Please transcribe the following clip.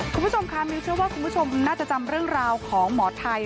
คุณผู้ชมค่ะมิวเชื่อว่าคุณผู้ชมน่าจะจำเรื่องราวของหมอไทย